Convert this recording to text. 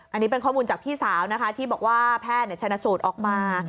อันนี้เป็นข้อมูลจากพี่สาวนะคะที่บอกว่าแพทย์ชนะสูตรออกมา